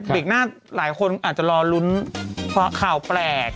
เด็กหน้าหลายคนอาจจะรอลุ้นข่าวแปลก